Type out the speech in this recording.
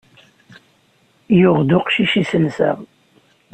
Yuɣ-d uqcic iselsa.